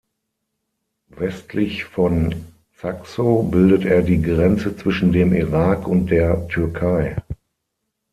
Westlich von Zaxo bildet er die Grenze zwischen dem Irak und der Türkei.